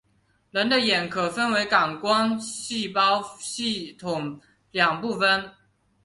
人的眼可分为感光细胞系统两部分。